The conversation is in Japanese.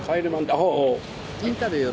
ああ。